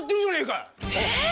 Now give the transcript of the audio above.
えっ？